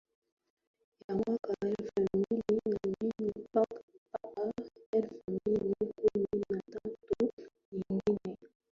ya mwaka elfu mbili na mbili mpaka elfu mbili kumi na tatu Nyingine ni